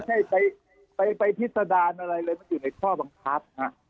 ใช่ไปพิษดารอะไรเลยมันอยู่ในข้อบังคับ